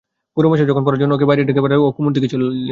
গুরুমশাই যখন পড়ার জন্যে ওকে বাইরে ডেকে পাঠালে, ও কুমুর দিকে চাইলে।